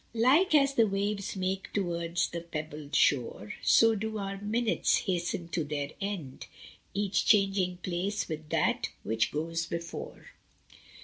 Like as the waves make towards the pebbled shore, So do our minutes hasten to their end Each changing place with that which goes before.